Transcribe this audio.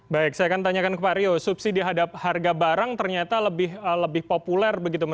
baik saya akan tanyakan ke pak rio subsidi harga barang ternyata lebih populer begitu